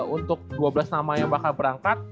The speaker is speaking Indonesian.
untuk dua belas nama yang bakal berangkat